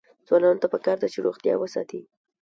ځوانانو ته پکار ده چې، روغتیا وساتي.